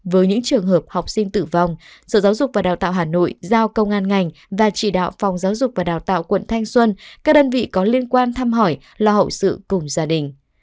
với những trường hợp học sinh tử vong sở giáo dục và đào tạo hà nội giao công an ngành và chỉ đạo phòng giáo dục và đào tạo quận thanh xuân các đơn vị có liên quan thăm hỏi lo hậu sự cùng gia đình